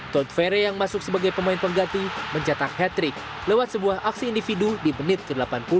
tod fere yang masuk sebagai pemain pengganti mencetak hat trick lewat sebuah aksi individu di menit ke delapan puluh